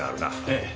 ええ。